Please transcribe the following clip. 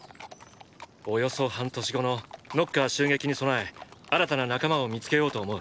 およそ半年後のノッカー襲撃に備え新たな仲間を見つけようと思う。